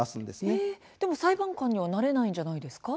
でも、裁判官にはなれないんじゃないですか。